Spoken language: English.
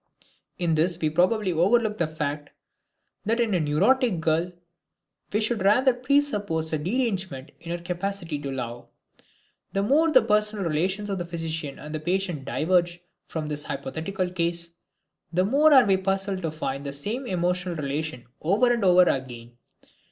In this we probably overlook the fact that in a neurotic girl we should rather presuppose a derangement in her capacity to love. The more the personal relations of physician and patient diverge from this hypothetical case, the more are we puzzled to find the same emotional relation over and over again.